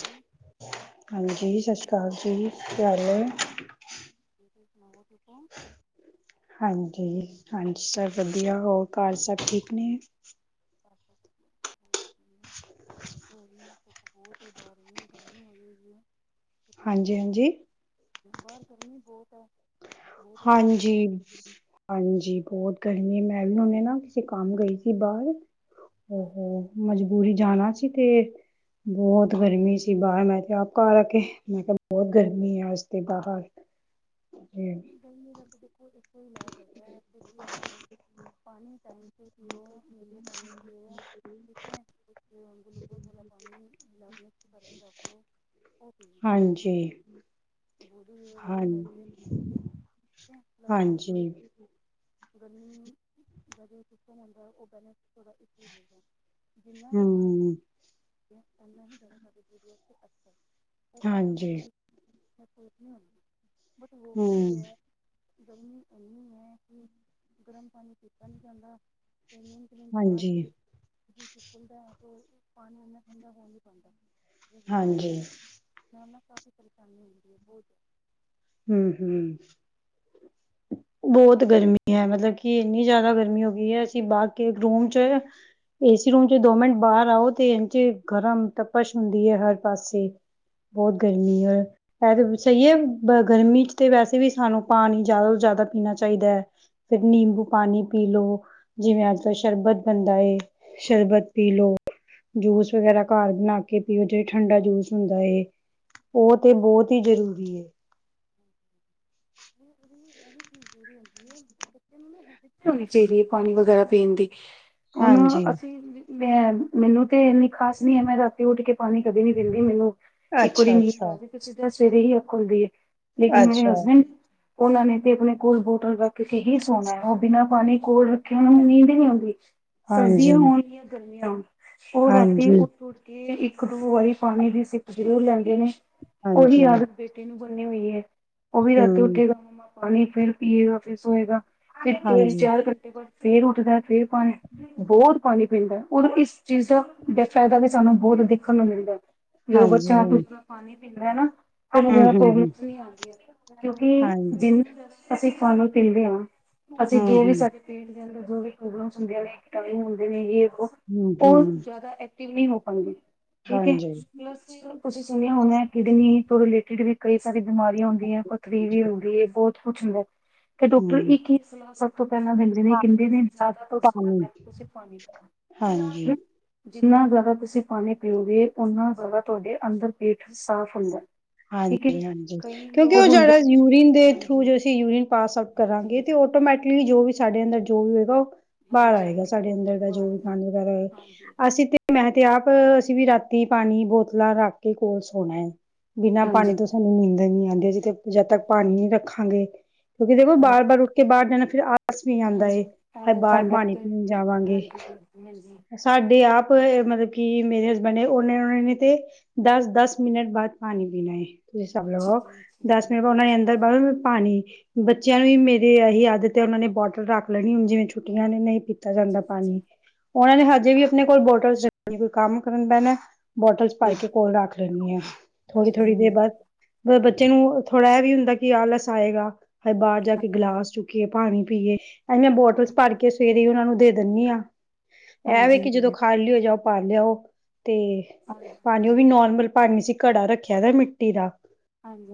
ਹੂੰ, ਹਾਂਜੀ ਸਤਿ ਸ੍ਰੀ ਅਕਾਲ ਜੀ ਕੀ ਹਾਲ ਹੈ। [inaudible] ਹਾਂਜੀ ਹਾਂਜੀ ਸਭ ਵਧੀਆ ਹੋਰ ਘਰ ਸਭ ਠੀਕ ਨੇ। [inaudible] ਬਹੁਤ ਬਾਹਰ ਗਰਮੀ ਹੋਗੀ ਐ ਹਾਂਜੀ ਨਾਲ ਹਾਂਜੀ ਬਾਹਰ ਗਰਮੀ ਬਹੁਤ ਐ। ਹਾਂਜੀ, ਹਾਂਜੀ ਬਹੁਤ ਗਰਮੀ ਮੈਂ ਵੀ ਨਾ ਕਿਸੇ ਕੰਮ ਗਈ ਸੀ ਬਾਹਰ। ਹਾਲ ਹੁੰਦਾ ਉਹ ਮਜਬੂਰੀ ਜਾਣਾ ਸੀ ਤੇ ਬਹੁਤ ਗਰਮੀ ਸੀ ਬਾਹਰ ਮੈਂ ਤੇ ਆਪ ਘਰ ਆ ਕੇ ਮੈਂ ਕਿਹਾ ਬਹੁਤ ਗਰਮੀ ਅੱਜ ਤੇ ਬਾਹਰ [inaudible] ਹੈ ਗਰਮੀ ਦਾ ਤਾਂ ਦੇਖੋ ਇੱਕੋ ਹੀ ਇਲਾਜ ਹੈਗਾ ਐ ਕਿਉਂਕਿ ਆਪਣਾ ਪਾਣੀ ਟਾਈਮ ਸਿਰ ਪੀਓ ਨਿੰਬੂ ਪਾਣੀ ਪੀਓ। [unintelligible] ਗਲੂਕੋਜ ਵਾਲਾ ਪਾਣੀ ਮਿਕਸ ਕਰਕੇ ਰੱਖਲੋ। ਉਹ ਉਹਦੇ ਨਾਲ ਹਾਂਜੀ ਬੋਲੀ ਵੀ ਹਾਂ ਉਹ ਹੈਗੇ। ਹਾਂਜੀ। ਗਰਮੀ ਦਾ ਜੇ ਸਿਸਟਮ ਹੁੰਦਾ ਉਹ [unintelligible] ਥੋੜ੍ਹਾ ਕਿ ਜਿਨ੍ਹਾਂ ਜਾਂਦਾ। ਹਮ ਹਾਂਜੀ [unintelligible] ਕੁਛ ਨੀ ਹੁੰਦੀ ਬਟ ਉਹ ਹੂੰ, ਗਰਮੀ ਇੰਨੀ ਐ ਕਿ ਗਰਮ ਪਾਣੀ ਪੀਤਾ ਨੀ ਜਾਂਦਾ ਤੇ ਨਹੀਂ [unintelligible] ਬਾਅਦ ਹਾਂਜੀ ਖੁੱਲਦਾ ਪਾਣੀ ਇਨਾ ਠੰਡਾ ਪਣੀ ਨਹੀਂ ਪੈਂਦਾ। ਜੀ ਹਾਂਜੀ ਮੈਂ ਨਾ ਕਾਫੀ ਪਰੇਸ਼ਾਨੀ ਹੁੰਦੀ ਆ ਬਹੁਤਿਆ ਹੂੰ ਹੂੰ, [inaudible] ਬਹੁਤ ਗਰਮੀ ਐ ਮਤਲਬ ਕਿ ਇੰਨੀ ਜ਼ਿਆਦਾ ਗਰਮੀ ਹੋ ਗਈ ਐ ਅਸੀਂ ਬਾਹਰ ਕੇ ਰੂਮ ਚ ਏਸੀ ਰੂਮ ਚ ਦੋ ਮਿੰਟ ਬਾਹਰ ਆਓ ਤੇ ਇੰਜ ਗਰਮ ਤਪਸ਼ ਹੁੰਦੀ ਐ ਹਰ ਪਾਸੇ। ਬਹੁਤ ਗਰਮੀ ਐ ਹੈ ਤਾਂ ਸਹੀ ਐ। ਬ ਗਰਮੀ 'ਚ ਤਾਂ ਵੈਸੇ ਵੀ ਸਾਨੂੰ ਪਾਣੀ ਜ਼ਿਆਦਾ ਤੋਂ ਜ਼ਿਆਦਾ ਪੀਣਾ ਚਾਹੀਦਾ। ਫਿਰ ਹਾਂਜੀ ਨਿੰਬੂ ਪਾਣੀ ਪੀ ਲਓ। ਜਿਵੇਂ ਅੱਜ ਕੱਲ੍ਹ ਸ਼ਰਬਤ ਬਣਦਾ ਸ਼ਰਬਤ ਪੀ ਲਓ। ਜੂਸ ਵਗੈਰਾ ਘਰ ਬਣਾ ਕੇ ਪੀਓ ਜਿਹੜਾ ਠੰਡਾ ਜੂਸ ਹੁੰਦਾ ਏ। ਉਹ ਤੇ ਹਾਂਜੀ ਬਹੁਤ ਹੀ ਜ਼ਰੂਰੀ ਏ [inaudible] ਬੱਚ ਨੂੰ ਨਾ ਹੈਬਿਟ ਹੋਣੀ ਚਾਹੀਦੀ ਐ ਪਾਣੀ ਵਗੈਰਾ ਦੇਣ ਦੀ ਹੁਣ ਹਾਂਜੀ ਅਸੀਂ ਤੇ ਅ ਮੈਨੂੰ ਤੇ ਇੰਨੀ ਖ਼ਾਸ ਨੀ ਹੈ ਮੈਂ ਤਾਂ ਉੱਠ ਕੇ ਪਾਣੀ ਕਦੇ ਨੀ ਪੀਂਦੀ ਮੈਨੂੰ ਇੱਕ ਵਾਰੀ ਅੱਛਾ ਨੀਂਦ ਅੱਛਾ ਪੈਜੇ ਫਿਰ ਸਿੱਧਾਂ ਸਵੇਰੇ ਹੀ ਅੱਖ ਖੁਲਦੀ ਐ। ਲੇਕਿਨ ਮੇਰੇ ਅੱਛਾ ਹਸਬੈਂਡ ਉਹਨਾਂ ਨੇ ਤੇ ਆਪਣੇ ਕੋਲ ਬੋਤਲ ਰੱਖ ਕੇ ਹੀ ਸੋਣਾ ਉਹ ਬਿਨਾਂ ਪਾਣੀ ਕੋਲ ਰੱਖਿਆ ਉਹਨਾਂ ਨੂੰ ਨੀਂਦ ਹੀ ਨਹੀਂ ਆਉਂਦੀ। ਹਾਂਜੀ ਸਰਦੀਆਂ ਹੋਣ ਜਾਂ ਗਰਮੀਆਂ ਹੋਣ ਉਹ ਰਾਤੀ ਹਾਂਜੀ, ਉੱਠ, ਉੱਠ ਕਿ ਇੱਕ ਦੋ ਵਾਰੀ ਪਾਣੀ ਦੀ ਸਿੱਪ ਜ਼ਰੂਰ ਲੈਂਦੇ ਨੇ ਉਹੀ ਹਾਂਜੀ, ਆਦਤ ਬੇਟੀ ਨੂੰ ਬਣੀ ਹੋਈ ਐ। ਉਹ ਵੀ ਰਾਤੀ ਹੂੰ, ਉੱਠੇਗਾ ਪਾਣੀ ਫਿਰ ਪੀਏਗਾ, ਫਿਰ ਸੋਏਗਾ ਫਿਰ ਤਿੰਨ ਹਾਂਜੀ, ਚਾਰ ਘੰਟੇ ਬਾਅਦ ਫਿਰ ਉੱਠਦਾ ਫਿਰ ਪਾਣੀ ਬਹੁਤ ਪਾਣੀ ਪੀਂਦਾਔਰ ਇਸ ਚੀਜ਼ ਦਾ ਫਾਇਦਾ ਵੀ ਸਾਨੂੰ ਬਹੁਤ ਦੇਖਣ ਨੂੰ ਮਿਲਦਾ ਹੈ, ਜਦੋਂ ਹਾਂਜੀ, ਬੱਚਾ ਆਪ ਹੂੰ, ਪਾਣੀ ਪੀਂਦਾ ਨਾ ਓਨੂੰ ਹੂੰ, ਕਦੀ ਹੂੰ, ਪਰੋਬਲਮ ਹੂੰ, ਨਈਂ ਆਉਂਦੀ ਕਿਉਂਕਿ ਹਾਂਜੀ, ਜਿੰ ਅਸੀਂ ਪਾਣੀ ਪੀਂਦੇ ਆ ਅਸੀਂ ਹੂੰ, ਜੋ ਵੀ ਹੂੰ, ਸਾਡੀ ਪੇਟ ਦੇ ਅੰਦਰ ਜੋ ਵੀ ਪਰੋਬਲਮ ਕੀਟਾਣੂ ਹੁੰਦੇ ਨੇ ਵੋ ਹੂੰ, ਉਹ ਹੂੰ, ਜ਼ਿਆਦਾ ਕਿਨੀ ਹੋ ਪਾਂਦੀ ਠੀਕ ਐ। ਹਾਂਜੀ, ਤੁਸੀਂ ਸੁਣਿਆ ਹੋਣਾ ਕਿਡਨੀ ਤੋਂ ਰਿਲੇਟਿਡ ਵੀ ਕਈ ਸਾਰੀ ਬਿਮਾਰੀਆਂ ਹੁੰਦੀ ਹੈ। ਪਥਰੀ ਵੀ ਹੁੰਦੀ ਹੈ, ਬਹੁਤ ਕੁੱਛ ਹੁੰਦਾ ਡਾਕਟਰ ਹੂੰ, ਇਕ ਹੀ ਸਲਾਹ ਸਭ ਨੂੰ ਪਹਿਲਾਂ ਦਿੰਦੇ ਨੇ ਕਹਿ ਦਿੰਦੇ ਨੇ ਜ਼ਿਆਦਾ ਤੋਂ ਜ਼ਿਆਦਾ ਪਾਣੀ, ਪਹਿਲਾ ਤੁਸੀਂ ਪਾਣੀ ਹਾਂਜੀ। ਪੀਓ। ਜਿੰਨਾ ਜ਼ਿਆਦਾ ਤੁਸੀਂ ਪਾਣੀ ਪੀਓਗੇ, ਓਨਾ ਜ਼ਿਆਦਾ ਤੁਹਾਡੇ ਅੰਦਰ ਪੇਟ ਸਾਫ਼ ਹੁੰਦਾ। ਠੀਕ ਹੈ ਹਾਂਜੀ, ਹਾਂਜੀ ਕਈ ਕਿਉਂਕਿ ਲੋਕ ਉਹ ਹੁੰਦੇ ਜਿਹੜਾ ਨੇ ਯੂਰੀਨ ਦੇ ਥਰੂ ਹਾਂਜੀ ਅਸੀਂ ਯੂਰੀਨ ਪਾਸ ਆਊਟ ਹਾਂਜੀ ਕਰਾਂਗੇ ਤੇ ਹਾਂਜੀ ਉਹ ਆਟੋਮੈਟਿਕਲੀ ਜੋ ਵੀ ਸਾਡੇ ਅੰਦਰ ਜੋ ਵੀ ਹੋਏਗਾ ਉਹ ਬਾਹਰ ਹਾਂਜੀ ਆਏਗਾ ਹਾਂਜੀ ਸਾਡੇ ਅੰਦਰ ਦਾ ਜੋ ਬਾਹਰ ਵੀ ਦੀ ਗੰਦ ਵਗੈਰਾ ਹੋਏ, ਹਾਂਜੀ ਅਸੀਂ ਤੇ ਮੈਂ ਤੇ ਆਪ ਅਸੀਂ ਵੀ ਰਾਤੀ ਪਾਣੀ ਬੋਤਲਾਂ ਰੱਖ ਕੇ ਕੋਲ ਸੋਣਾ। ਬਿਨਾਂ ਪਾਣੀ ਹਾਂਜੀ ਤੋਂ ਸਾਨੂੰ ਨੀਂਦ ਨੀ ਆਂਦੀ ਅਸੀਂ ਤੇ ਜਦ ਤੱਕ ਪਾਣੀ ਨੀ ਰੱਖਾਂਗੇ। ਕਿਉਂਕਿ ਦੇਖੋ ਹਾਂਜੀ ਵਾਰ ਵਾਰ ਉੱਠ ਕੇ ਬਾਹਰ ਜਾਣਾ ਫਿਰ ਆਲਸ ਵੀ ਆਂਦੇ ਏ ਹਾਂਜੀ ਹਾਏ ਪੈਲਸ ਬਾਹਰ ਆਉਂਦਾ ਪਾਣੀ ਪੀਣ ਹਾਂਜੀ ਜਾਵਾਂਗੇ। ਹਾਂਜੀ ਹਾਂਜੀ। ਸਾਡੇ ਆਪ ਮਤਲਬ ਕਿ ਮੇਰੇ ਹਸਬੈਂਡ ਨੇ ਉਹੇ ਉਹਨਾਂ ਨੇ ਤੇ ਦਸ ਦਸ ਮਿੰਟ ਬਾਅਦ ਪਾਣੀ ਪੀਣਾ ਏ ਤੁਸੀਂ ਸਭ ਅੱਛਾ ਲੋ ਜੀ ਅੱਛਾ ਜੀ ਦਸ ਮਿੰਟ ਉਹਨਾਂ ਨੇ ਅੰਦਰ ਹਾਂਜੀ ਬ ਪਾਣੀ ਬੱਚਿਆਂ ਨੂੰ ਵੀ ਮੇਰੀ ਇਹੀ ਹਾਂਜੀ ਆਦਤ ਐ ਉਹਨਾਂ ਨੇ ਬੋਟਲ ਰੱਖ ਲੈਣੀ ਹੁਣ ਜਿਵੇਂ ਛੁੱਟੀਆਂ ਨੇ ਨਹੀਂ। ਦਿੱਤਾ ਹਾਂਜੀ ਜਾਂਦਾ ਪਾਣੀ ਉਹਨਾਂ ਨੇ ਹਜੇ ਵੀ ਆਪਣੇ ਕੋਲ ਬੋਟਲ ਕੋਈ ਕੰਮ ਕਰਨ ਬਹਿਣਾ। ਬੋਟਲਸ ਭਰ ਕੇ ਕੋਲ ਰੱਖ ਲੈਂਦੀ ਆ ਹਾਂਜੀ ਹਾਂਜੀ ਹਾਂਜੀ ਥੋੜ੍ਹੀ ਥੋੜ੍ਹੀ ਦੇਰ ਬਾਅਦ। ਹਾਂਜੀ ਬ ਬੱਚੇ ਨੂੰ ਥੋੜ੍ਹਾ ਇਹ ਵੀ ਹੁੰਦਾ ਕਿ ਆਲਸ ਆਏਗਾ ਹਜੇ ਬਾਹਰ ਜਾ ਕੇ ਗਿਲਾਸ ਚੁੱਕੀਏ। ਪਾਣੀ ਪੀਏ ਅ ਮੈਂ ਬੋਟਲਸ ਭਰ ਕੇ ਸਵੇਰੇ ਹੀ ਉਹਨਾਂ ਨੂੰ ਦੇ ਦਿੰਦੀ ਹਾਂ। ਇਹ ਵੇ ਹਾਂਜੀ ਹਾਂਜੀ ਕਿ ਜਦੋਂ ਹਾਂਜੀ ਖਾ ਲਿਓ ਜਾਓ ਭਰ ਲਿਆਓ ਤੇ। ਪਾਣੀ ਉਹ ਵੀ ਨੋਰਮਲ ਪਾਣੀ ਸੀ ਘੜਾ ਰੱਖਿਆ ਦਾ ਮਿੱਟੀ ਦਾ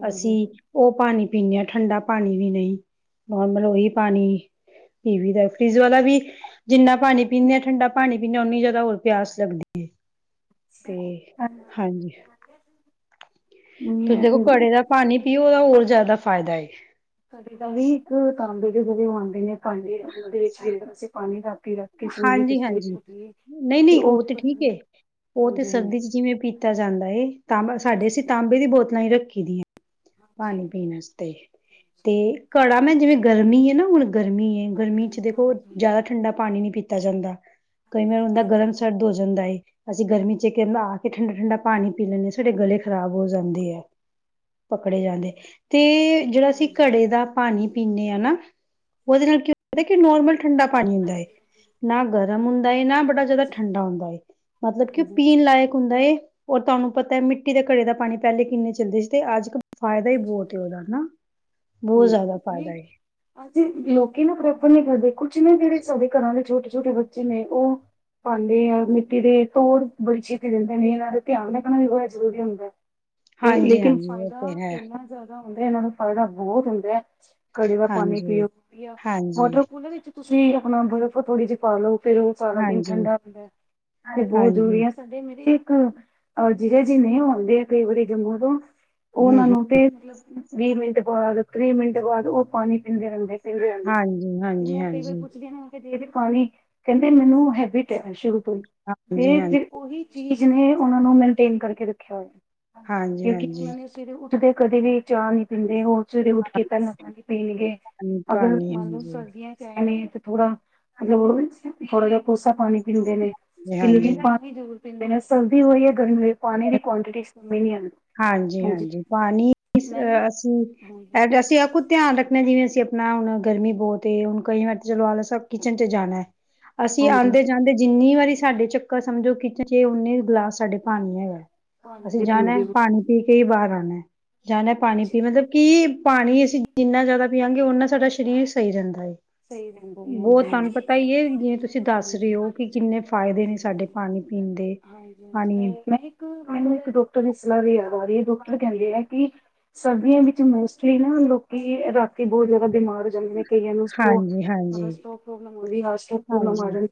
ਅਸੀਂ। ਉਹ ਪਾਣੀ ਪੀਣੇ ਆ ਠੰਡਾ ਪਾਣੀ ਵੀ ਨਹੀਂ, ਨੋਰਮਲ ਉਹੀ ਪਾਣੀ। ਪਿਵੀ ਦਾ ਫਰਿਜ ਵਾਲਾ ਵੀ ਜਿੰਨਾ ਪਾਣੀ ਪੀਂਦੇ ਹਾਂ ਠੰਡਾ ਪਾਣੀ ਪੀਂਦੇ ਆਂ ਓਨੀ ਜ਼ਿਆਦਾ ਹੋਰ ਪਿਆਸ ਲੱਗਦੀ ਐ। ਤੇ ਹਾਂਜੀ ਹਾਂਜੀ ਹਾਂਜੀ ਤੁਸੀਂ ਦੇਖੋ ਘੜੇ ਦਾ ਹਾਂਜੀ ਪਾਣੀ ਪੀਓ ਉਹਦਾ ਹੋਰ ਜ਼ਿਆਦਾ ਫਾਇਦਾ ਏ। ਕਦੇ ਤਾਂ ਵੀ ਇੱਕ ਤਾਂਬੇ ਦੇ ਮੂੰਹ ਆਉਂਦੇ ਨੇ ਭਾਂਡੇ ਉਹਦੇ ਵਿੱਚ ਫਿਰ ਅਸੀਂ ਪਾਣੀ ਰਾਤੀ ਕੇ ਸੋਈਏ ਤੇ ਹਾਂਜੀ, ਹਾਂਜੀ ਸਵੇਰੇ ਉੱਠੀਏ ਨਹੀਂ, ਨਹੀਂ ਉਹ ਤੇ ਠੀਕ ਏ। ਉਹ ਤੇ ਸਰਦੀ ਹਾਂਜੀ ਚ ਜਿਵੇਂ ਪੀਤਾ ਜਾਂਦਾ ਏ, ਤਾਂਬੇ ਸਾਡੇ ਅਸੀਂ ਤਾਂਬੇ ਹਾਂਜੀ ਦੀ ਬੋਤਲਾਂ ਹੀ ਰੱਖੀ ਦੀਆਂ। ਪਾਣੀ ਹਾਂਜੀ ਪੀਣ ਵਾਸਤੇ ਤੇ ਘੜਾ ਮੈਂ ਜਿਵੇਂ ਗਰਮੀ ਹੈ ਨਾ ਹੁਣ ਗਰਮੀ ਹੈ। ਗਰਮੀ ਹਾਂਜੀ ਚ ਦੇਖੋ ਹਾਂਜੀ ਜ਼ਿਆਦਾ ਠੰਡਾ ਪਾਣੀ ਨੀ ਪੀਤਾ ਜਾਂਦਾ। ਕਈ ਵਾਰੀ ਹੁੰਦਾ ਹਾਂਜੀ ਗਰਮ ਹਾਂਜੀ ਸਰਦ ਹੋ ਜਾਂਦਾ ਏ। ਅਸੀਂ ਗਰਮੀ ਚ ਆ ਕੇ ਠੰਡਾ ਠੰਡਾ ਪਾਣੀ ਪੀ ਲੈਂਦੇ ਹਾਂ ਸਾਡੇ ਗਲੇ ਖ਼ਰਾਬ ਹੋ ਜਾਂਦੇ ਹੈ। ਪਕੜੇ ਜਾਂਦੇ ਤੇ ਜਿਹੜਾ ਅਸੀਂ ਹਾਂਜੀ ਘੜੇ ਦਾ ਪਾਣੀ ਪੀਦੇ ਹਾਂ ਨਾ ਉਹਦੇ ਨਾਲ ਕਿ ਪਤਾ ਕਿ ਨੋਰਮਲ ਠੰਡਾ ਪਾਣੀ ਹੁੰਦਾ ਹੈ ਨਾ ਗਰਮ ਹੁੰਦਾ ਹੈ ਨਾ ਬੜਾ ਜਦੋਂ ਠੰਡਾ ਹੁੰਦਾ ਏ ਮਤਲਬ ਕਿ ਉਹ ਪੀਣ ਲਾਇਕ ਹੁੰਦਾ ਏ ਉਹ ਤੁਹਾਨੂੰ ਪਤਾ ਮਿੱਟੀ ਦੇ ਘੜੇ ਦਾ ਪਾਣੀ ਪਹਿਲੇ ਕਿੰਨੇ ਚੱਲਦੇ ਸੀ ਤੇ ਅੱਜ ਫਾਇਦਾ ਹੀ ਬਹੁਤ ਹਾਂਜੀ ਉਹਦਾ ਨਾ ਬਹੁਤ ਜ਼ਿਆਦਾ ਫਾਇਦਾ ਏ ਅਸੀਂ ਲੋਕੀ ਨਾ ਪ੍ਰੈਫਰ ਨਹੀਂ ਕਰਦੇ ਕੁਛ ਨੇ ਜਿਹੜੇ ਸਾਡੇ ਘਰਾਂ ਦੇ ਛੋਟੇ ਛੋਟੇ ਬੱਚੇ ਨੇ ਉਹ ਪਾਉਂਦੇ ਆ ਮਿੱਟੀ ਦੇ ਤੋੜ ਬੜੀ ਛੀਤੀ ਦਿੰਦੇ ਨੇ ਇਹਨਾਂ ਦਾ ਧਿਆਨ ਰੱਖਣਾ ਵੀ ਬਹੁਤ ਜ਼ਰੂਰੀ ਹੁੰਦਾ ਹੈ। ਤੇ ਹਾਂਜੀ, ਲੇਕਿਨ ਹਾਂਜੀ ਉਹ ਤੇ ਫਾਇਦਾ ਹੈ ਇੰਨਾ ਜ਼ਿਆਦਾ ਹੁੰਦਾ ਇਹਨਾਂ ਨੂੰ ਫਾਇਦਾ ਬਹੁਤ ਹੁੰਦਾ ਹੈ। ਘੜੇ ਵਾਲਾ ਪਾਣੀ ਹਾਂਜੀ, ਪੀਓ ਆ ਹਾਂਜੀ, ਵਾਟਰ ਕੂਲਰ ਵਿੱਚ ਤੁਸੀਂ ਆਪਣਾ ਬਰਫ ਥੋੜੀ ਜਿਹੀ ਪਾਲੋ ਫਿਰ ਉਹ ਸਾਰਾ ਦਿਨ ਹਾਂਜੀ, ਠੰਡਾ ਹੁੰਦਾ ਤੇ ਬਹੁਤ ਜ਼ਰੂਰੀ ਹਾਂਜੀ ਹੈ। ਸਾਡੇ ਮੇਰੇ ਇੱਕ ਅ ਜੀਜਾ ਜੀ ਨੇ ਆਉਂਦੇ ਆ ਕਈ ਵਾਰੀ ਜੰਮੂ ਤੋਂ ਉਹ ਹੂੰ, ਉਹਨਾਂ ਹੂੰ ਨੂੰ ਤੇ ਵੀਹ ਮਿੰਟ ਬਾਅਦ ਤੀਹ ਮਿੰਟ ਬਾਅਦ ਉਹ ਪਾਣੀ ਪੀਂਦੇ ਰਹਿੰਦੇ ਦਿਆਂਗੇ ਹਾਂਜੀ, ਹਾਂਜੀ, ਮੈਂ ਕਈ ਵਾਰ ਹਾਂਜੀ, ਪੁੱਛਦੀ ਨਾ ਤੇ ਪਾਣੀ ਕਹਿੰਦੇ ਮੈਨੂੰ ਹੈਬਿਟ ਹੈ ਸ਼ੁਰੂ ਤੋਂ ਹੀ ਤੇ ਹਾਂਜੀ, ਫਿਰ ਉਹੀ ਚੀਜ਼ ਨੇ ਉਹਨਾਂ ਨੂੰ ਮੈਨਟੇਨ ਕਰਕੇ ਰੱਖਿਆ ਹੋਇਆ ਹਾਂਜੀ, ਹਾਂਜੀ, ਕਿਉਂਕਿ ਉਹ ਹਾਂਜੀ ਨੇ ਦੇ ਕਦੇ ਵੀ ਚਾਹ ਨੀ ਪੀਂਦੇ ਹੋਣ ਸਵੇਰੇ ਉੱਠ ਕੇ ਪਹਿਲਾਂ ਪਾਣੀ ਪੀਣਗੇ ਪਾਣੀ ਅਗਰ ਪਾਣੀ, ਮੰਨ ਲਓ ਹਾਂਜੀ, ਸਰਦੀਆਂ ਚ ਆਏ ਨੇ ਤਾਂ ਥੋੜਾ ਮਤਲਬ ਉਹ ਥੋੜਾ ਜਿਹਾ ਕੋਸਾ ਪਾਣੀ ਪੀਂਦੇ ਨੇ [unintelligible] ਜੀ, ਹਾਂਜੀ, ਪੀਂਦੇ ਨੇ ਸਰਦੀ ਹੋਈ ਹੈ ਗਰਮੀ ਹੋਈ ਪਾਣੀ ਦੀ ਕੁਆਂਟਿਟੀ ਉਵੇਂ ਹਨ ਹਾਂਜੀ ਪਾਣੀ ਮੈਂ ਨਾ ਅਸੀਂ ਐ ਹਾਂਜੀ ਅਸੀਂ ਆ ਧਿਆਨ ਰੱਖਣਾ ਜਿਵੇਂ ਅਸੀਂ ਆਪਣਾ ਹੁਣ ਗਰਮੀ ਬਹੁਤ ਏ ਹੁਣ ਕਈ ਵਾਰ ਤਾਂ ਚਲੋ ਆ ਸਭ ਕਿਚਨ ਚ ਜਾਣਾ ਹੈ। ਅਸੀਂ ਹਾਂਜੀ ਆਉਂਦੇ ਜਾਂਦੇ ਜਿੰਨੀ ਵਾਰੀ ਸਾਡੇ ਚੱਕਰ ਸਮਝੋ ਕਿਚਨ ਚ ਉਨੇ ਗਲਾਸ ਸਾਡੇ ਪਾਣੀ ਹੈਗਾ ਪਾਣੀ ਅਸੀਂ ਦੀ ਜਾਣਾ ਪੀਂਦੀ ਪਨ ਪੀ ਕੇ ਹੀ ਬਾਹਰ ਆਉਣਾ ਜਾਂਣਾ ਪਾਣੀ ਪੀ ਕੀ ਪਾਣੀ ਅਸੀਂ ਜਿੰਨਾ ਜ਼ਿਆਦਾ ਪੀਆਗੇ ਉਨਾ ਸਾਡਾ ਸਰੀਰ ਸਹੀ ਰਹਿੰਦਾ ਏ ਸਹੀ ਰਹਿੰਦਾ ਉਹ ਹਾਂਜੀ। ਤੁਹਾਨੂੰ ਪਤਾ ਹੀ ਹੈ ਜਿਵੇਂ ਤੁਸੀਂ ਦੱਸ ਰਹੇ ਹਾਂਜੀ ਹੋ ਕਿ ਹਾਂਜੀ ਕਿੰਨੇ ਫਾਇਦੇ ਨੇ ਹਾਂਜੀ ਸਾਡੇ ਹਾਂਜੀ ਪਾਣੀ ਪੀਣ ਦੇ ਹਾਂਜੀ ਪਾਣੀ ਹਾਂਜੀ ਮੈਂ ਇੱਕ ਮੈਨੂੰ ਇੱਕ ਡੋਕਟਰ ਦੀ ਸਲਾਹ [unintelligible] ਡਾਕਟਰ ਕਹਿੰਦੇ ਹੈ ਕਿ ਸਰਦੀਆਂ ਵਿੱਚ ਮੋਸਟਲੀ ਨਾ ਲੋਕੀ ਰਾਤੀ ਬਹੁਤ ਜ਼ਿਆਦਾ ਬਿਮਾਰ ਹੋ ਜਾਂਦੇ ਨੇ ਕਈਆਂ ਨੂੰ ਉਹ ਹਾਂਜੀ ਮਤਲਬ ਹਾਂਜੀ ਸਟੋਕ ਪ੍ਰੋਬਲਮ ਆਉਂਦੀ ਸਟੋਕ ਪ੍ਰੋਬਲਮ ਆ ਹਾਂਜੀ ਜਾਏ।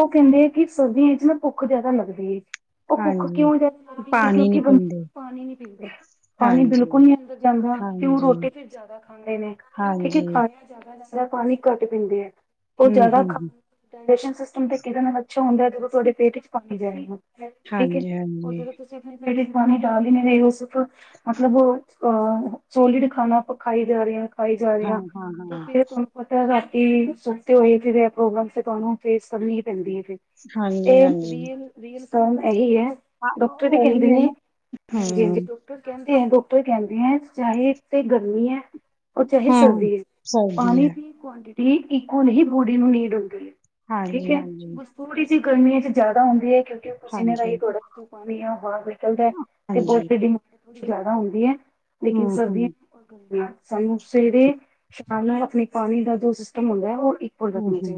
ਉਹ ਕਹਿੰਦੇ ਹੈ ਕਿ ਸਰਦੀਆਂ ਵਿੱਚ ਨਾ ਭੁੱਖ ਜ਼ਿਆਦਾ ਲੱਗਦੀ ਹੈ। ਉਹ ਭੁੱਖ ਹਾਂਜੀ ਕਿਉਂ ਜਾ ਕਰਦੀ ਹੈ ਪਾਣੀ ਨੀ ਕਿਉਂਕਿ ਬੰਦੇ ਪੀਂਦੇ ਪਾਣੀ ਨੀ ਪੀਂਦੇ। ਪਾਣੀ ਬਿਲਕੁਲ ਹਾਂਜੀ ਨੀ ਅੰਦਰ ਜਾਂਦਾ ਤੇ ਉਹ ਹਾਂਜੀ ਰੋਟੀ ਫਿਰ ਜ਼ਿਆਦਾ ਖਾਂਦੇ ਨੇ ਠੀਕ ਹਾਂਜੀ ਖਾਂ ਜ਼ਿਆਦਾ ਜ਼ਿਆਦਾ ਪਾਣੀ ਘੱਟ ਪੀਂਦੇ ਹੈ ਉਹ ਹਮ ਜ਼ਿਆਦਾ ਹਮ ਖਾਣ ਹਮ ਡਡੀਸ਼ਨ ਸਿਸਟਮ ਤੇ ਕਿਹਦੇ ਨਾਲ ਅੱਛਾ ਹੁੰਦਾ ਤੇ ਉਹ ਤੁਹਾਡੇ ਪੇਟ ਚ ਪਾਣੀ ਜਾਈ ਜੂ। ਠੀਕ ਹੈ ਹਾਂਜੀ ਉਹ ਹਾਂਜੀ ਜਦੋਂ ਤੁਸੀਂ ਆਪਣੇ ਪੇਟ ਚ ਪਾਣੀ ਡਾਲ ਨਹੀਂ ਰਹੇ ਸਿਰਫ ਮਤਲਬ ਅਹ ਸੋਲਡ ਖਾਣਾ ਆਪਾਂ ਖਾਈ ਜਾ ਰਹੇ ਹਾਂ। ਖਾਈ ਜਾ ਰਹੀ ਹਾਂ ਹੈ ਹਾਂ ਤੇ ਹਾਂ ਫਿਰ ਤੁਹਾਨੂੰ ਪਤਾ ਰਾਤੀ ਸੁਸਤੇ ਹੋਏ ਪ੍ਰੋਬਲਮ ਤੁਹਾਨੂੰ ਫੇਸ ਕਰਨੀ ਹੀ ਪੈਂਦੀ ਹੈ। ਫਿਰ ਹਾਂਜੀ ਇਹ ਹਾਂਜੀ ਰੀਲ ਰੀਸ ਕਰਨ ਇਹੀ ਹੈ। ਹਾਂ, ਡਾਕਟਰ ਵੀ ਕਹਿੰਦੇ ਉਹੀ ਹੈ ਨੇ ਨਾ ਹਾਂਜੀ ਹਾਂ। ਹਮ ਡਾਕਟਰ ਕਹਿੰਦੇ ਹੈ ਡਾਕਟਰ ਕਹਿੰਦੇ ਚਾਹੇ ਤੇ ਗਰਮੀ ਹੈ। ਉਹ ਤੇ ਇਹੀ ਹਮ ਸੋਚਦੀ ਐ ਸਰਦੀ ਪਾਣੀ। ਹੈ ਕਵਾਂਟਟੀ ਇਕੁਲ ਹੀ ਬੋਡੀ ਨੂੰ ਨੀਡ ਹੁੰਦੀ ਐ ਠੀਕ ਹਾਂਜੀ, ਐ। ਹਾਂਜੀ, ਥੋੜੀ ਜੀ ਗਰਮਮੀ ਚ ਜ਼ਿਆਦਾ ਹੁੰਦੀ ਆ ਕਿਉਂਕਿ। ਪ੍ਰਸੀਨੇ ਦਾ ਹਾਂਜੀ, ਥੋੜਾ ਜਾ ਚ ਪਾਣੀ ਆ ਬਾਹਰ ਨਿਕਲਦਾ ਤੇ ਬਹੁ ਹਾਂਜੀ, ਥੋੜੀ ਜ਼ਿਆਦਾ ਹੁੰਦੀ ਐ ਲੇਕਿਨ ਹੂੰ, ਹੂੰ। ਸਰਦੀਆਂ। ਸਾਨੂੰ ਸਵੇਰੇ ਚਾਹ ਨਾਲ ਆਪਣੀ ਪਾਣੀ ਦਾ ਜੋ ਸਿਸਟਮ ਹੁੰਦਾ ਉਹ ਇੱਕ ਹੂੰ ਹੀ,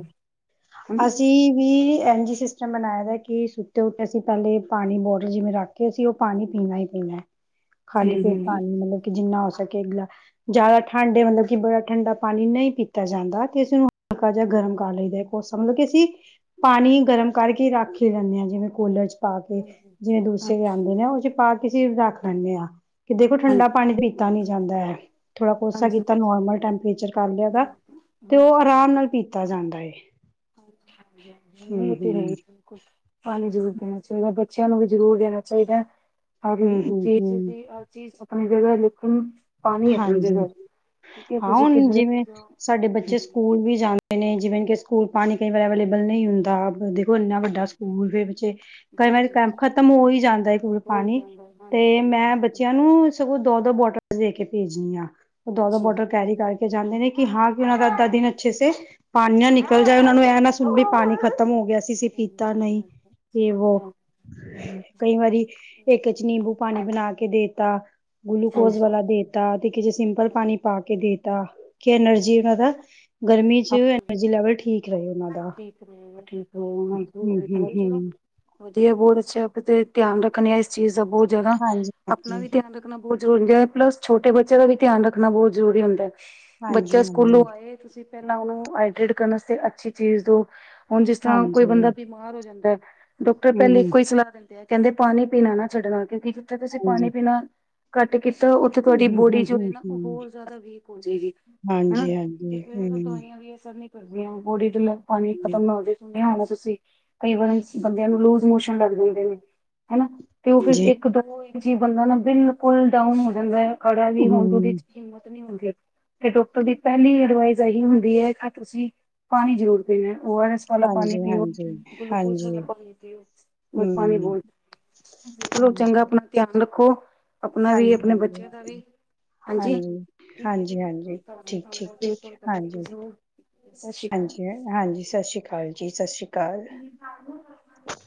ਅਸੀਂ ਵੀ [unintelligible] [inaudible] ਮਨਾਏ ਦਾ ਕਿ ਸੁੱਤੇ ਉੱਠੇ ਅਸੀਂ ਪਹਿਲੇ ਪਾਣੀ ਬੋਟਲ ਜਿਵੇਂ ਰੱਖ ਕੇ ਅਸੀਂ ਉਹ ਪਾਣੀ ਪੀਣਾ ਹੀ ਪੀਣਾ। [inaudible] ਖਾਲੀ ਪੇਟ ਜੀ ਪਾਣੀ ਮਤਲਬ ਜਿੰਨਾ ਹੋ ਸਕੇ ਅਗਲਾ ਜ਼ਿਆਦਾ ਠੰਡੇ ਮਤਲਬ ਕਿ ਬੜਾ ਠੰਡਾ ਪਾਣੀ ਨਹੀਂ ਪੀਤਾ ਜਾਂਦਾ ਤੇ ਇਸ ਨੂੰ ਹਲਕਾ ਜਾ ਗਰਮ ਕਰਾ ਲਈਦਾ ਕੋਸਾ ਮਤਲਬ ਕੀ ਅਸੀਂ, ਪਾਣੀ ਗਰਮ ਕਰਕੇ ਰੱਖ ਹੀ ਲੈਂਦੇ ਹਾਂ ਜਿਵੇਂ ਕੂਲਰ ਚ ਪਾ ਕੇ ਹਾਂਜੀ ਜਿਵੇਂ ਦੂਸਰੇ ਹਾਂਜੀ ਆਂਦੇ ਨੇ ਉਹ ਚ ਪਾ ਕੇ ਅਸੀਂ ਰੱਖ ਲੈਂਦੇ ਹਾਂ ਕਿ ਦੇਖੋ ਹਾਂਜੀ ਠੰਡਾ ਪਾਣੀ ਪੀ ਤਾ ਵੀ ਜਾਂਦਾ ਹੈ ਥੋੜਾ ਕੋਸਾ ਹਾਂਜੀ ਕੀਤਾ ਨੋਰਮਲ ਟੈਂਪਰੇਚਰ ਕਰ ਲਿਆ ਉਹਦਾ ਬਿਲਕੁਲ ਤੇ ਉਹ ਹਾਂਜੀ ਆਰਾਮ ਨਾਲ ਪੀਤਾ ਜਾਂਦਾ ਏ। ਇਹ ਤੇ ਹੈ। ਪਾਣੀ ਜ਼ਰੂਰ ਦੇਣਾ ਚਾਹੀਦਾ ਬੱਚਿਆਂ ਨੂੰ ਵੀ ਜ਼ਰੂਰ ਦੇਣਾ ਚਾਹੀਦਾ। ਹਰ ਹਮ ਹਮ ਚੀਜ਼ ਹਮ ਦੀ ਹਰ ਚੀਜ਼ ਆਪਣੀ ਜਗ੍ਹਾ ਲੇਕਿਨ ਪਾਣੀ ਆਪਣੀ ਹਾਂਜੀ ਜਗ੍ਹਾ ਠੀਕ ਹੈ ਹਾਂ ਤੁਸੀਂ ਹੁਣ ਕਿੱਧਰੇ ਵੀ ਜਿਵੇਂ ਜਾਓ ਸਾਡੇ ਬੱਚੇ ਹਾਂਜੀ ਸਕੂਲ ਵੀ ਜਾਂਦੇ ਨੇ ਜਿਵੇਂ ਕਿ ਸਕੂਲ ਪਾਣੀ ਕਈ ਵਾਰ ਅਵੇਲੇਬਲ ਨਹੀਂ ਹੁੰਦਾ। ਇੰਨਾ ਵੱਡਾ ਹਾਂਜੀ ਸਕੂਲ ਫਿਰ ਬੱਚੇ ਕਈ ਵਾਰੀ ਹਾਂਜੀ ਹਾਂਜੀ ਖਤਮ ਹੋ ਹੀ ਜਾਂਦਾ ਸਕੂਲ ਹੋ ਹੀ ਪਾਣੀ ਜਾਂਦਾ ਹੈ। ਹਾਂਜੀ ਤੇ ਮੈਂ ਹਾਂਜੀ ਬੱਚਿਆਂ ਨੂੰ ਸਗੋਂ ਦੋ ਦੋ ਬੋਟਲ ਦੇ ਕੇ ਭੇਜਣੀ ਆ ਉਹ ਦੋ ਦੋ ਅੱਛਾ ਜੀ ਬੋਟਲ ਕੈਰੀ ਕਰਕੇ ਜਾਂਦੇ ਨੇ। ਕਿ ਹਾਂ ਕਿ ਉਹਨਾਂ ਦਾ ਅੱਧਾ ਦਿਨ ਅੱਛੇ ਸੇ ਪਾਣੀ ਨਾ ਆ ਨਿਕਲ ਜਾਏ ਉਹਨਾਂ ਗਏ ਨੂੰ ਇਹ ਨਾ ਸੁਣ ਨਿਕਲ ਵੀ ਗਏ ਪਾਣੀ ਖ਼ਤਮ ਹੋ ਗਿਆ ਸੀ ਅਸੀਂ, ਪੀਤਾ ਨਹੀਂ ਇਹ ਵੋ [unintelligible] ਕਈ ਵਾਰੀ ਇੱਕ ਚ ਨਿੰਬੂ ਪਾਣੀ ਬਣਾ ਕੇ ਦੇਤਾ। ਹਾਂਜੀ ਗਲੂਕੋਜ ਹਾਂਜੀ ਵਾਲਾ ਦੇ ਤਾ ਤੇ ਕਿਸੇ ਸਿੰਪਲ ਪਾਣੀ ਪਾ ਕੇ ਦੇ ਤਾ। ਕਿ ਐਨਰਜੀ ਉਹਨਾਂ ਹਾਂਜੀ। ਦਾ ਗਰਮੀ ਚ ਹਾਂਜੀ ਐਨਰਜੀ ਲੈਵਲ ਠੀਕ ਰਹੇ ਉਹਨਾਂ ਦਾ। ਠੀਕ ਵ [unintelligible] ਹੂੰ ਹੂੰ ਹੂੰ, ਵਧੀਆ ਬਹੁਤ ਅੱਛਾ ਆਪ ਤੇ ਧਿਆਨ ਰੱਖਣੇ ਆ ਇਸ ਚੀਜ਼ ਦਾ ਬਹੁਤ ਜ਼ਿਆਦਾ ਹਾਂਜੀ ਆਪਣਾ ਹਾਂਜੀ ਵੀ ਧਿਆਨ ਰੱਖ ਰੱਖਣਾ ਬਹੁਤ ਜ਼ਰੂਰੀ ਹੂੰ ਪਲੱਸ ਛੋਟੇ ਬੱਚਿਆਂ ਦਾ ਵੀ ਧਿਆਨ ਰੱਖਣਾ ਬਹੁਤ ਜ਼ਰੂਰੀ ਹੁੰਦਾ ਹਾਂਜੀ ਬੱਚਾ ਸਕੂਲੋਂ ਹਾਂਜੀ ਆਏ ਤੁਸੀ ਪਹਿਲਾਂ ਉਹਨੂੰ ਹਾਈਦਰੇਟ ਕਰਨ ਵਾਸਤੇ ਅਛੀ ਚੀਜ਼ ਦੋ ਹੁਣ ਜਿਸ ਤਰ੍ਹਾਂ ਕੋਈ ਹਾਂਜੀ ਬੰਦਾ ਬਿਮਾਰ ਹੋ ਜਾਂਦਾ। ਡਾਕਟਰ ਹੂੰ ਪਹਿਲੇ ਹੂੰ ਇਕੋ ਹੀ ਸਲਾਹ ਦਿੰਦਾ ਤੇ ਕਹਿੰਦੇ ਪਾਣੀ ਪੀਣਾ ਨਾ ਛੱਡਣਾ ਕਿਉਕਿ ਜਿੱਥੇ ਤੁਸੀਂ ਹਾਂਜੀ ਪਾਣੀ ਪੀਣਾ ਘੱਟ ਕੀਤਾ ਉੱਥੇ ਤੁਹਾਡੀ ਹੂੰ ਹੂੰ ਬੋਡੀ ਜੋ ਐ ਹੂੰ ਨਾ ਉਹ ਹੂੰ ਬਹੁਤ ਜ਼ਿਆਦਾ ਵੀਕ ਹੋ ਜਾਏਗੀ ਹਾਂਜੀ ਕਿ ਹਾਂਜੀ ਹੂੰ ਦਵਾਈਆਂ ਵੀ ਅਸਰ ਨੀ ਕਰਦੀਆਂ ਬੋਡੀ ਦੇ ਪਾਣੀ ਖਤਮ ਨਾ ਹੋ। ਸੁਣਿਆ ਹੋਣਾ ਤੁਸੀ ਕਈ ਵਾਰ ਬੰਦਿਆਂ ਨੂੰ ਲੂਜ਼ ਮੋਸ਼ਨ ਲੱਗ ਜਾਂਦੇ ਨੇ ਹਨਾ ਤੇ ਉਹ ਫਿਰ ਜੀ ਇੱਕ ਦੋ ਇੱਕ ਜੀ ਬੰਦਾ ਨਾ ਬਿਲਕੁਲ ਡਾਊਨ ਹੋ ਜਾਂਦਾ। ਖੜਾ ਵੀ ਹੋਣ ਉਹਦੇ ਹੂੰ 'ਚ ਹਿੰਮਤ ਨਹੀ ਹੁੰਦੀ, ਤੇ ਡਾਕਟਰ ਦੀ ਪਹਿਲੀ ਅਡਵਾਈਸ ਇਹੀ ਹੁੰਦੀ ਹੈ। ਕਿ ਤੁਸੀ ਪਾਣੀ ਜ਼ਰੂਰ ਦੇਣਾ ਓ ਆਰ ਐ ਵਾਲਾ ਪਾਣੀ ਹਾਂਜੀ ਪੀਓ ਹਾਂਜੀ ਗਲੂਕੋਸ ਵਾਲਾ ਹਾਂਜੀ ਪਾਣੀ ਪੀਓ ਮਸ ਪਾਣੀ ਹੂੰ ਬਹੁਤ ਚਲੋ ਚੰਗਾ ਆਪਣਾ ਧਿਆਨ ਰੱਖੋ ਆਪਣਾ ਵੀ ਹਾਂਜੀ ਹਾਂਜੀ ਆਪਣੇ ਹਾਂਜੀ ਬੱਚਿਆਂ ਦਾ ਵੀ ਹਾਂਜੀ। ਹਾਂਜੀ ਹਾਂਜੀ ਕਰ ਕੋਈ ਠੀਕ ਠੀਕ ਠੀਕ ਬਿਲਕੁਲ ਕਰਾਂਗੇ ਹਾਂਜੀ ਜੋ ਹਾਂਜੀ, ਹਾਂਜੀ ਸਤਿ ਸ਼੍ਰੀ ਅਕਾਲ ਜੀ ਸਤਿ ਸ਼੍ਰੀ ਅਕਾਲ। [unintelligible]